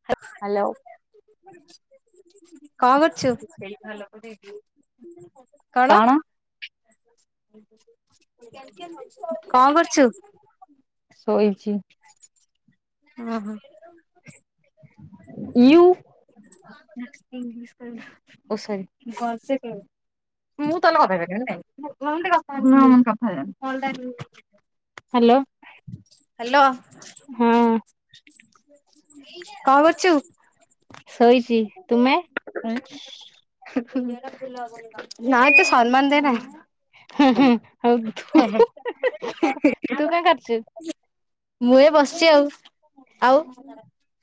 [inaudible] Hello. [unintelligible] କଁ କରୁଛୁ କଣ? କଁ କରୁଛୁ? ଶୋଇଚି। ଅ, ହଁ। ୟୁ ମ୍ୟାଥ୍ ଇଂଲିଶ [inaudible] ଭଲ ସେ କର। [unintelligible] ହ୍ୟାଲୋ, ହଁ। କଣ କରୁଚୁ? ଶୋଇଚି, ତୁମେ? ହୁ, ହୁ ନା ଏତେ ସମ୍ମାନ ଦେନା। ହଁ, ହଁ ଆଉ ତୁ କଣ କରଚୁ? ମୁଁ ଏ ବସିଚି ଆଉ, ଆଉ।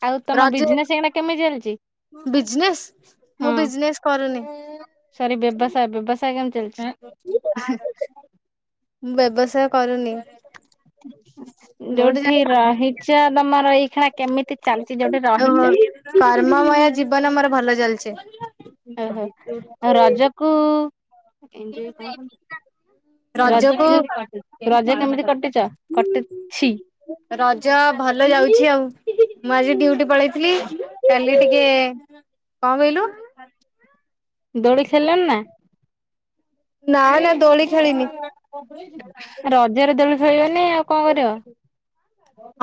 ଆଉ ତୋମ ରଜ ବିଜନେସ୍ ଏଇନା କେମି ଚାଲିଚି? ବିଜନେସ୍ ମୁଁ ବିଜନେସ୍ କରୁନି। ସରି ବ୍ୟବସାୟ ବ୍ୟବସାୟ କେମିତି ଚାଲିଚି ଏଁ,? ହୁଁ, ମୁଁ ବ୍ୟବସାୟ କରୁନି। ମୁଁ ଯୋଉଠି ଗୋଟେ ରହିଚ ତୋମର ଏଇଖିଣା କେମିତି ଚାଲିଚି ଯୋଉଠି ରହିଚ? ଜାଣିନି। କର୍ମମୟ ଜୀବନ ମୋର ଭଲ ଚାଲିଚି। ଓହୋ, ରଜକୁ ରଜ ରଜକୁ ରଜ କେମିତି କଟିଚ କଟିଛି? ରଜ ଭଲ ଯାଉଛି ଆଉ। ମୁଁ ଆଜି ଡିଉଟି ପଳେଇଥିଲି, କାଲି ଟିକେ, କଣ କହିଲୁ? ଦୋଳି ଖେଳିଲଣି ନା? ନା, ନା। ଦୋଳି ଖେଳିନି। ରଜରେ ଦୋଳି ଖେଳିବନି ଆଉ କଣ କରିବ?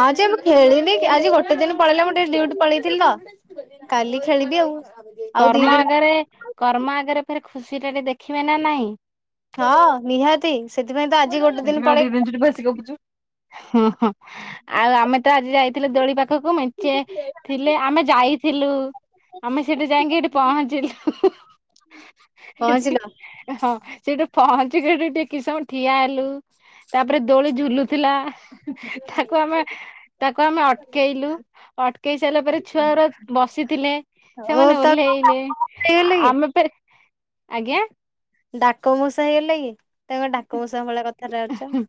ହଁ ଯେ ମୁଁ ଖେଳିବି, ଆଜି ଗୋଟେ ଦିନ ପଳେଇଲେ, ମୁଁ ଟିକେ ଡିଉଟି ପଳେଇଥିଲି ତ। କାଲି ଖେଳିବି ଆଉ। ଆଉ ଦି କର୍ମ ଦିନ ଆଗରେ, କର୍ମ ଆଗରେ ଫେର୍ ଖୁସି ଟା ଟେ ଦେଖିବେ ନା ନାହିଁ? ହଁ ନିହାତି ସେଥିପାଇଁ ତ ଆଜି ଗୋଟେ ଦିନ ପଳେଇ ତୁ ତ ବେଶୀ ଗପୁଚୁ। ହଁ, ହଁ ଆଉ ଆମେ ତ ଆଜି ଯାଇଥିଲୁ ଦୋଳି ପା ଖକୁ ମେଞ୍ଚେ ଥିଲେ ଆମେ ଯାଇଥିଲୁ [inaudible] ଏଠୁ ଯାଇକି ସେଟି ପହଞ୍ଚିଲୁ ହୁଁ ହୁଁ ସେଠି ପହଞ୍ଚିଲ ଏ ହଁ ସେଉଠୁ ପହଞ୍ଚି ସେଠି ଟି କିସ ସମୟ ଠିଆ ହେଲୁ। ତାପରେ ଦୋଳି ଝୁଲୁଥିଲା। ତାକୁ ଆମେ ତାକୁ ଆମେ ଅଟକେଇଲୁ, ଅଟକେଇ ସାରିଲା ପରେ ଛୁଆ ଗୁରା ବସିଥିଲେ। ଓ ସେମାନେ ତ ଓହ୍ଲେଇଲେ, ହେଇଗଲେ କି ଆମେ ଫେର୍ ଆଜ୍ଞା, ଡାକ ମଉସା ହେଇଗଲେ କି? ତୋମେ ଡାକ ମଉସା ଭଳିଆ କ ଏ ହୁଁ,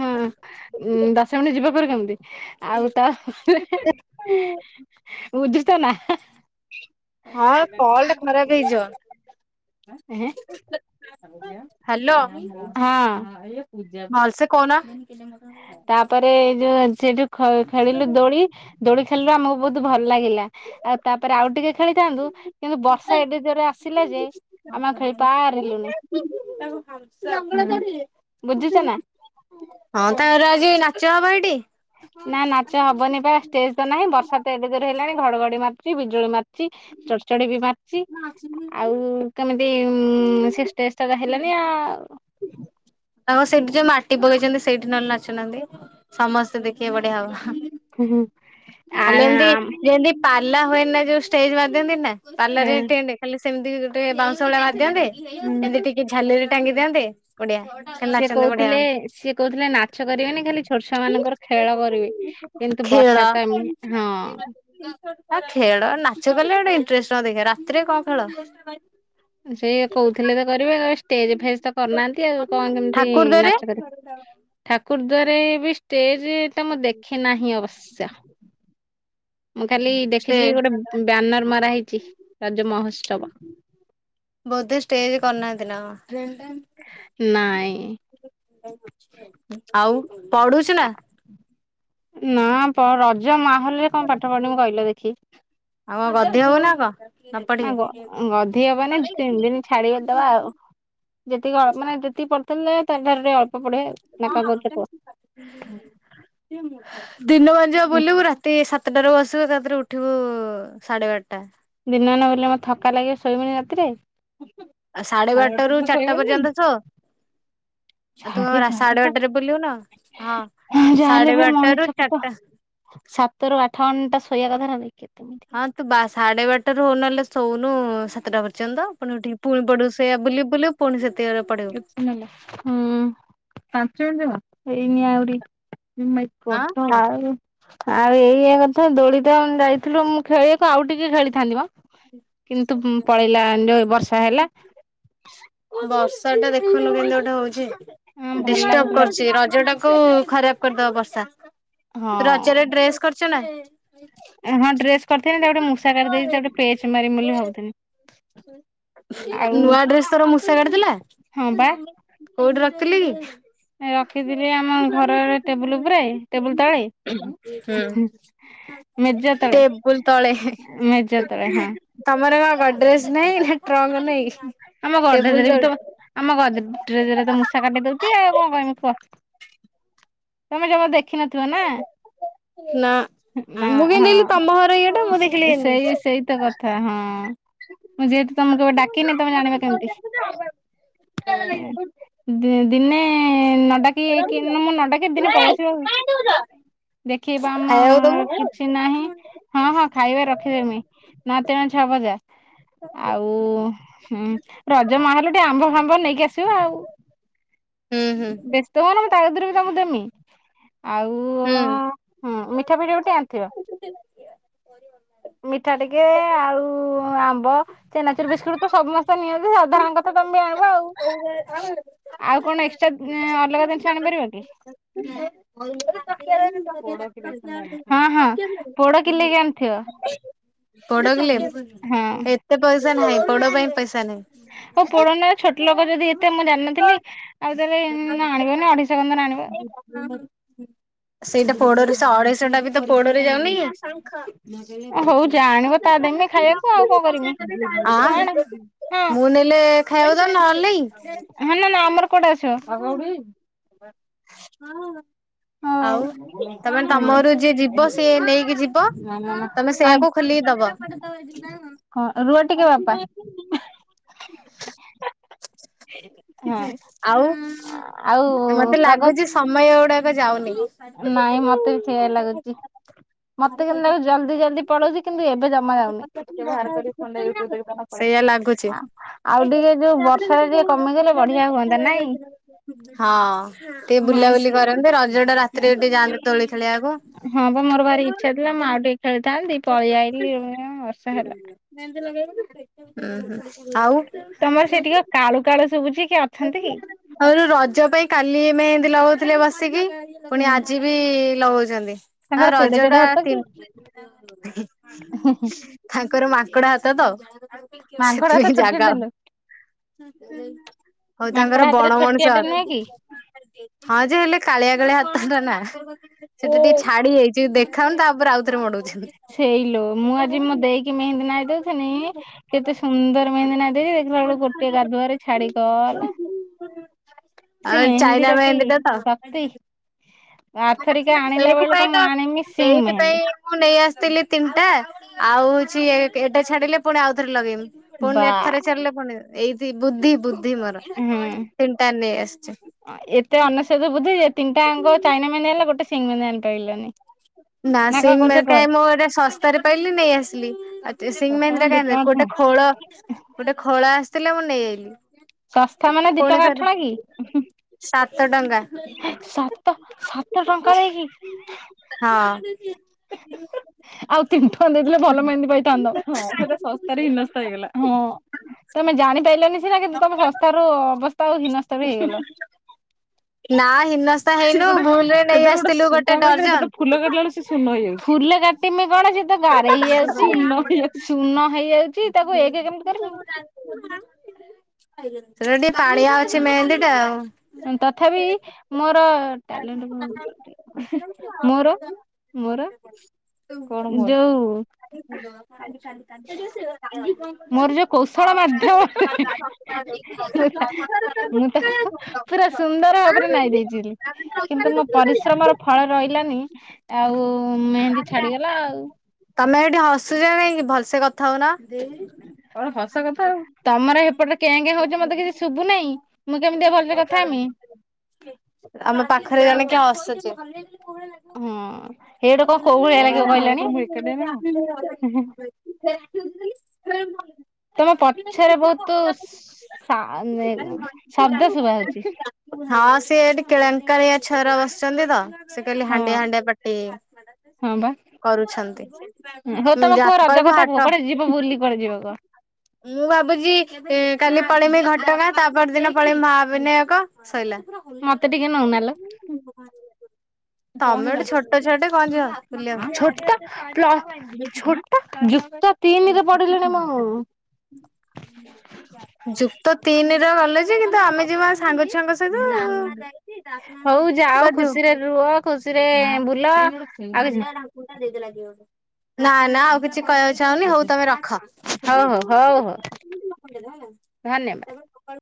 ହଁ ଉଁ, ଦଶ ମିନିଟ୍ ଯିବ ଫେର କେମିତି? ଆଉ ତ [unintelligible] ବୁଝୁଚ ନା? ହଁ ଏ କଲ୍ ଟା ଖରାପ ହେଇଯିବ। ଏ ହେଁ। ହ୍ୟାଲୋ ହଁ। ଭଲସେ କହୁନ। ତାପରେ ଏ ଯୋ ସେଠୁ ଖ-ଖେଳିଲୁ ଦୋଳି। ଦୋଳି ଖେଳିଲୁ ଆମକୁ ବହୁତ ଭଲ ଲାଗିଲା। ଆଉ ତାପରେ ଆଉ ଟିକେ ଖେଳିଥାନ୍ତୁ କିନ୍ତୁ ବର୍ଷା ଏଡେ ଜୋରେ ଆସିଲା ଯେ ଆମେ ଆଉ ଆଙ୍ଗ ଖେଳି ପାରିଲୁନି ଧ ବୁଝୁଛ ନା [unintelligible] ହଁ ତାର ଆଜି ନାଚ ହବ ଏଇଠି। ନା ନାଚ ହବନି ପା ଷ୍ଟେଜ ତ ନାହିଁ ବର୍ଷା ତ ଏଡେ ଜୋର ହେଲାଣି ଘଡଘଡି ମାରୁଚି ବିଜୁଳି ମାରୁଛି। ଚଡ଼ଚଡି ବି ମାର ଚି ଆଉ କେମିତି ସେ ଷ୍ଟେଷ୍ଟଟା ତ ହେଲାନି ଆଉ। ତାଙ୍କ ସେଇଠି ଯୋଉ ମାଟି ପକେଇଚନ୍ତି। ସେଇଠି ନଲେ ନାଚୁନାହାନ୍ତି। ସମସ୍ତେ ଦେଖିବେ ବଢିଆ ହବ ହଁ। ହୁଁ ହୁଁ। ଖାଲି ଏମିତି ଯେମିତି ପାଲା ହୁଏ ନା ଯୋଉ ଷ୍ଟେଜ ବନ୍ଧନ୍ତି ନା ପାଲରେ ହଁ ଖାଲି ସେମିତି ଗୋଟେ ବାଉଁଶ ଭଳି ବନ୍ଧିଦିଅନ୍ତେ। ଏମିତି ଟିକେ ଝାଲେରି ଟାଙ୍ଗି ଦିଅନ୍ତେ ବଢ଼ିଆ। ସିଏ କହୁଥିଲେ ସିଏ କହୁଥିଲେ ନାଛ କରିବେନି ଖାଲି ଛୋଟ ଛୁଆ ମାନଙ୍କର ଖେଳ କରିବେ। କିନ୍ତୁ ବର୍ଷା ଟା [unintelligible] ଆ ଖେଳ ନାଚ କଲେ ଗୋଟେ ଇଣ୍ଟରେଷ୍ଟ ନ ଦେଖ ରାତିରେ କଣ ଖେଳ? ସେଇ କହୁଥିଲେ ତ କରିବେ ଷ୍ଟେଜ ଫେଜ ତ କରିନାହାନ୍ତି ଆଉ କଣ କେମିତି ଠାକୁର ନାଚ କରିବେ? [unintelligible] ଠାକୁର ଦ୍ଵାରେ ଏ ବି ଷ୍ଟେଜ ତ ମୁଁ ଦେଖେ ନାହିଁ ଅବଶ୍ୟ। ମୁଁ ଖାଲି ଦେଖିଚି ଷ୍ଟେଜ ଗୋଟେ ବ୍ୟାନର ମାରା ହେଇଛି ରଜ ମହୋତ୍ସବ। ବୋଧେ ଷ୍ଟେଜ୍ କରିନାନ୍ତି ନା କଣ? ନାଇଁ। ଆଉ ପଢୁଛୁ ନା। ନା ରଜ ମାହଲରେ କଣ ପାଠ ପଢି ମୁଁ କହିଲ ଦେଖି। ଆଉ କଣ ଗଧି ହବ ନା କଣ ନ ନା ପଢିକି? ଗଧି ହବନି ତିନି ଦିନ। ଛାଡିକଦବା ଆଉ ଯେତିକି ଅ ମାନେ ଯେତିକି ପଡି ତା ଠାରୁରେ ଅଳ୍ପ ପଡେ। ନା କଣ କୁହଥିଲ କୁହ। ଦିନ ବା ଯିବା ବୁଲିବୁ ରାତି ସାତ। ତଟାରୁ ବସିବୁ ତାରେ ଉଠିବୁ ସାଢ଼େ ବାରଟା। ଦିନ ନଗଲେ ମ ଥକା ଲାଗିବ ଶୋଇବୁନୀ ରାତିରେ। ଆ ସାଢେ ସାଢ଼େ ବାରଟା ରୁ ରେ ଚାରିଟା ପର୍ଯ୍ୟନ୍ତ ଶୋ ଆଉ ତୁ ସାଢ଼େ କଣ ସାଢେ ବାରଟା ବାରଟାରେ ବୁଲିବୁ ନା ହଁ ସାଢେ ଯାହାେଲେ ବି ବାରଟାରୁ ମଣିଷକୁ ତ। ଚାରିଟା ସାତରୁ ଆଠ ଘଣ୍ଟା ଶୋଇବା କଥା ଭାବ କି ତୁମେ। ହଁ ତୁ ବା ସାଢେ ବାରଟାରୁ ହଉନହେଲେ ଶୋଉନୁ ସାତଟା ପର୍ଯ୍ୟନ୍ତ ଆପଣ ଟିକେ ପୁଣି ପଡୁ ସେ ବୋଲି ବୁଲିବୁ ପୁଣି ସେତିକି ବେଳେ ପଡିବୁ। ହୁଁ ପାଞ୍ଚ ମିନିଟ ଯଣ ହେଇନି ଆହୁରି। ଆଁ କୁହନ୍ତୁ ଆଉ ଆଉ ଏଇଆ କଥା ଦୋଳିିତ ଯାଇଥିଲୁ ମୁଁ ଖେଳିବାକୁ ଆଉ ଟିକେ ଖେଳିଥାନ୍ତି ମ। କିନ୍ତୁ ପଳେଇଲା ଯଉ ବର୍ଷା ହେଲା। ବର୍ଷା ଟା ଦେଖୁନୁ କିନ୍ତୁ ଗୋଟେ ହଉଛି ଭଲ ଡିଷ୍ଟର୍ବ ଲାଗୁଥିଲା କରୁଛି ରଜ ଟା କୁ। କ ଖରାପ କରିଦବା ବର୍ଷା ହଁ। ରଜରେ ଡ୍ରେସ୍ କରଛ ନା। ହଁ ଡ୍ରେସ କରିଥିଲି ତାକୁ ଗୋଟେ ମଷା କରି ଦେଇଛି ତା ଗଟେ ପେଚ ମାରି ବୋଲି ଭାବୁଥିଲି। ଆଉ ନୂଆ ଡ୍ରେସ୍ ତର ମୂଷା କାଟିଦେଲା ହଁ ବା କୋଉଠି ରଖିଥିଲେ କି, ରଖିଥିଲି ଆମ ଘରରେ ଟେବୁଲ ଉପରେ ଟେବୁଲ ତଳେ କି? ହିଁ ଇ। ମେଜ ତଳେ ଟେବୁଲ ତଳେ ମେଜ ତଳେ ହଁ। ତମର ବା ଗଡରେଜ ନାଇଁ ନା ଟ୍ରଙ୍କ ନାଇଁ। ଆମ ଗଡ଼ରେଜ ରେ ବି ତବ। ଆମ ଗଡ଼ରେଜରେ ତ ମୂଷା କାଟିଦଉଚି ଆଉ କଣ କହିମି କୁହ? ତମେ ଜମା ଦେଖିନଥିବ ନା? ନା। ନା ମୁଁ କେମିତି ହଁ ଦେଖିଲି ତମ ଘର ଇଏଟା ମୁଁ ଦେଖିଲି ସେଇ କେମିତି? ସେଇତ କଥା ହଁ। ମୁଁ ଯେହେତୁ ତମକୁ କେବେ ଡାକିନି ତମେ ଜାଣିବ କେମିତି। ଦିନେ ନଡ଼ାକିକି ମୁଁ ନଡାକେ ଦିନେ ପଳେଇ ଆସିବ। ଦେଖୀବ ଖାଇବାକୁ ଦବୁ? ଆମର କିଛି ନାହିଁ ହଁ ହଁ। ଖାଇବା ରଖିଦେମି ନ ତିଅଣ ଛଅ ବଜା ଆଉ ହୁଁ ରଜ ମାହୋଲ ଟିକେ ଆମ୍ବ ଫାମ୍ବ ନେଇକି ଆସିବ ଆଉ ହୁଁ ହୁଁ ବେଶ ତୋର ମୁଁ ତାକତିରେ ବି ତମଙ୍କୁ ଦେମି ଆଉ ହୁଁ ହଁ ମିଠା ପିଠା ବି ଟିକେ ଆଣିଥିବ। ମିଠା ଟିକେ ଆଉ ଆମ୍ବ ଚେନାଚୁର ବିସ୍କୁଟ ତ ସମସ୍ତେ ନିଅନ୍ତି ସାଧାରଣ କଥା ତମେ ବି ଆଣିବ ଆଉ। ହଉ। ଆଉ କଣ ଏକ୍ସଟ୍ରା ଅଲଗା ଜିନିଷ ଆଣିପାରିବା କି? ହୁଁ। [inaudible] [unintelligible] ପୋଡ଼ କିଲେ ଖଣ୍ଡେ ଆଣିଥିବ ହଁ ହଁ ପୋଡ଼ କିଲେକି ଆଣିଥିବ। ପୋଡ କିଲେ ହଁ ଏତେ ପଇସା ନାହିଁ ପୋଡ ପାଇଁ ପଇସା ନାହିଁ। ଓ ପୋଡ଼ନେ ଛୋଟ୍ କିଲକ ଯଦି ଏତେ ମୁଁ ଜାଣିନଥିଲି ଆଉ ତାହଲେ ଆଣିବନି ଅଢ଼େଇଶ ଖଣ୍ଡେ ତାନେ ଆଣିବ। ହ ହଁ। [inaudible] ସେଇଟା ପୋଡରେ ସେ ଅଢେଇଶ ଟା ବି ତ ପୋଡରେ ଯାଉନି ହଉ କି? ଯାହା ଆଣିବ ତା ଟାଇମ ନାଇଁ ଖାଇବାକୁ। ଆଉ କଣ କରିମି ଆ ଆଣେ ହଁ ମୁଁ ନେଲେ ଖାଇବାକୁ ଦଉ ନହେଲେ ନାଇଁ? ହଁ ନା ନା ଆମର କୁଆଡୁ ଆସିବ। ହଁ ଆଉ ହଁ ତମେ ହଁ ତମ ଘରକୁ ଯିଏ ଯିବ ସିଏ ନେଇକି ଯିବ ତମେ ସେଇଆକୁ ଖୋଲିକି ଦବ। ପି ନାଁ [unintelligible] ହଁ ରୁହ ଟିକେ ବାପା। [unintelligible] ଆଉ ମତେ ହଁ--ଆଉ ଲାଗୁଛି ସମୟ ଗୁଡାକ ଯାଉନି। ନାଇଁ ମତେ ବି ସେୟା ଲାଗୁଛି। ମତେ କିନ୍ତୁ ଲାଗୁଚି ଜଲଦି ଜଲଦି ପଳଉଛି କିନ୍ତୁ ଏବେ ଜମା ଯାଉନି। ଟିକେ ବାହାର କରିକି ୟୁଟୁବ ଦେଖିଦଉନ। ସେଇଆ ଲାଗୁଛି। ହଁ ଯୋଉ ବର୍ଷାଟା ଟିକେ କମିଗଲେ ବଢିଆ ହୁଅନ୍ତା ନାଇଁ ଟିକେ ହଁ ବୁଲାବୁଲି କରନ୍ତେ ରଜ ଟା ରାତିରେ ଟିକେ ଯାଆନ୍ତେ ଦୋଳି ଖେଳିବାକୁ। ହଁ ବା ମୋର ଭାରି ଇଚ୍ଛା ଥିଲା ମୁଁ ଆଉ ଟିକେ ଖେଳିଥାନ୍ତିି ପଳେଇ ଆଇଲିି ବର୍ଷା ହେଲା। ମେହେନ୍ଦି ଲଗେଇବୁନି କି? ଉଁ ହୁଁ ଆଉ ତମର ସେଠିକା କାଳୁ କାଳୁ ଶୁଭୁଛି କିଏ ଅଛନ୍ତି କି? ଆଉ ରଜ ପାଇଁ କାଲି ମେହେନ୍ଦି ଲଗଉଥିଲେ ବସିକି। ହୁଁ ପୁଣି ଆଜି ବି ଲଗଉଛନ୍ତି। ଆ ତାଙ୍କର କେଡେ ରଜ କେଡେ ଟା ହାତ କି ତିନ ତାଙ୍କର ମାଙ୍କଡ଼ ହାତତ ମାଙ୍କଡ ହାତ ସେଥିପାଇଁ ଜାଗା ଛୋଟିଆଟେ ଲୋ। ହ ହଉ ମାଙ୍କଡ ତାଙ୍କର ହାତଟା ବଣ ମଣିଷ ଛୋଟିଆଟେ ହାତ ନୁହେଁ କି? ହଁଯେ ହେଲେ କାଳିଆ କାଳିଆ ହାତଟାନା ଓ ସେଟା ଟିକେ ଛାଡ଼ି ଯାଇଛି ଦେଖି ଖାଉନି ତାପରେ ଆଉଥରେ ମୋଡ଼ଉଚି ବୋଲି। ସେଇଲ ମୁଁ ଆଜି ମୋଦେଇକି ମେହେନ୍ଦୀ ନାଇ ଦଉଥିନି କେତେ ସୁନ୍ଦର ମେହେନ୍ଦି ନାଇଁ ଦେଇଚି ଦେଖିଲାବେଳକୁ ଗୋଟେ ଗାଧୁଆ ଛାଡ଼ି ଗଲା ସେ ଆଉ ଚାଇନା ମେହେନ୍ଦିରକି ମେହେନ୍ଦୀ ଟା ତ ଶକ୍ତି। ଆର ଥରିକା ଆଣିଲା ବେଳକୁ ସେଇଥିପାଇଁ ମୁଁ ତ ଆଣିବି ସିଂ ସେଇଥିପାଇଁ ମେହେନ୍ଦୀ। ମୁଁ ନେଇ ଆସିଥିଲି ତିନିଟା ଆଉ ହୋଉଚି ଏଟା ଛାଡ଼ିଲେ ପୁଣି ଆଉଥରେ ଲଗେଇମି। ବା ପୁଣି ଏଠି ଥରେ ଚାଲିଲେ ପୁଣି ଏଇଠି ବୁଦ୍ଧି ବୁଦ୍ଧି ମୋର। ହୁଁ ତିନିଟା ନେଇ ଆସିଛି। ଏତେ ଅନେଶତ ବୁଦ୍ଧି ଯେ ତିନି ଟାଙ୍କ ଚାଇନା ମେନ୍ ହେଲା ଗୋଟେ ସିଙ୍ଗ୍ ମେହେନ୍ଦି ଆଣିପାରିଲୁନି। ନା ସେଇ ମେହେନ୍ଦିଟା ମୁଁ ଏଟା ଶସ୍ତାରେ ପାଇଲିି ନେଇ ଆସିଲି। ଆ ସେଇ ମେହେନ୍ଦି କାହିଁ ଗୋଟେ ଖୋଳ ଗୋଟେ ଖୋଳ ଆସିଥିଲା ମୁଁ ନେଇଆଇଥିଲିି। ଶସ୍ତା ମାନେ ଦିଟଙ୍କା ଆଠଣା କି? ସାତ ଟଙ୍କା। ହେ ସାତ ସାତ ଟଙ୍କା ହେଇକି ହଁ। ଆଉ ତିନି ଟଙ୍କା ଦେଇଥିଲେ ଭଲ ମେହେନ୍ଦି ପାଇଥାନ୍ତ ହଁ ସେଟା ସ ସସନ୍ତାରେ ହିନସ୍ତା ହେଇଗଲା ହଁ ତମେ ଜାଣିପାରିଲନି ସେରା କେମିତି ତମେ ଶସ୍ତାରୁ ଅବସ୍ଥା ଆଉ ହୀନସ୍ତା ବି ହେଇଗଲ। ନା ହିନସ୍ତା ସିଏ ହେଇନୁ ଗୋଟେ ଭୁଲରେ ନେଇ ସେଥିରେ ଗୋଟେ ଆସିଥିଲୁ କଣ କହିଲେ ହେଟା ଡର୍ଜନ। ଗୋଟେ ଫୁଲ କାଟିଲା ବେଳକୁ ସେ ଶୂନ ହେଇଯିବ ଫୁଲ କାଟିବି କଣ ତ ଗାରେଇ ହେଇଯାଉଚି ଶୂନ ହେଇଯାଉଚି ଶୂନ ହେଇଯାଉଚି ତାକୁ ଏକ କେମିତି କରିମି। ହେଟା ଟିକେ ପାଣିଆ ଅଛି ମେହେନ୍ଦିଟା। ତଥାପି ମୋର ଟ୍ୟାଲେଣ୍ଟ ମୋର ମୋର [inaudible] କଣ ମୋର ଯୋଉ ମୋର ଯୋଉ କୌଶଳ [unintelligible] ମାଧ୍ୟମରେ ପୁରା ମୁଁ ତାକୁ [unintelligible] ପୁରା ସୁନ୍ଦର ଭାବରେ ନାଇ ଦେଇଚି କିନ୍ତୁ ମୋ ପରିଶ୍ରମର ଫଳ ରହିଲାନି ଆଉ ମେହେନ୍ଦୀ ଛାଡ଼ିଗଲା ଆଉ। ତମେ ଏଠି ହସୁଚ ନାଇଁକି ଭଲସେ କଥା ହଉନ। କଣ ହସ କଥା ଆଉ ତମର ହେପଟେରେ କେ କେ ହଉଚ ମତେ କିଛି ଶୁବୁ ନେହିଁ। ମୁଁ କେମିତିଆ ଭଲରେ କଥା ହେମି। ଆମ ପାଖରେ ଜଣେ କିଏ ହସୁଚି। ହଁ ସେଇଟା କଣ କୋଉ ଭଳିିବ ଲାଗିବ [unintelligible] କହିଲଣି। [unintelligible] ତମ ପଛରେ ବହୁତ୍ ସା ଉଁ ଶବ୍ଦ ଶୁଭା ହଉଚି। ହଁ ସିଏ ଏଠି କେଳଙ୍କାକଳିଆ ଛୁଆ ଆରା ବସିଛନ୍ତିତ ସେଖାଲି ହଁ ହଣ୍ଡିଆ ହଣ୍ଡିଆ ପାଟିି ହଁ ବା କରୁଛନ୍ତି ହଉ ତମେ ଯା କୁହ ରଜ କହିବୁ କଥା କୁହ ହାଟ କୁଆଡେ ଯିବ ବୁଲି କୁଆଡ଼େ ଯିବା କଁ? ମୁଁ ଭାବୁଚି କାଲି ଏ ପଳେଇମି ଘଟଗାଁ ତାପରଦିନ ପଳେଇମି ମହାଭିିନାୟକ। ସଇଲା। ମତେ ଟିକେ ନଉନା ଲୋ। କଣ ତମେ ହେଲା? ଗୋଟେ ଛୋଟ ଛୁଆଟେ କଣ ଯିବ ବୁଲିବାକୁ। ଛୋଟ ପ୍ଲ ଛୋଟ ଜୁତ। [unintelligible] ଯୁକ୍ତ ତିନି ର ଗଲେ ଯେ କିନ୍ତୁ ଆମେ ଯିବା। ସାଙ୍ଗ ଛୁଆଙ୍କ ହଉ ଯାଅ ଖୁସିରେ ସହିତ ରୁହ ଖୁସିରେ ବୁଲ। କିଛି [unintelligible] ଢାଙ୍କୁଣୀ ଟା ଦେଇଦେଲା କିଏ ଗୋଟେ। ନା ନା ଆଉ କିଛି କହିବାକୁ ଚାହୁଁନି ହଉ ତମେ ରଖ। ହଉ ନା ହଉ ହଉ ହଉ ନା ଧନ୍ୟବାଦ। ସେମାନେ ସକାଳୁ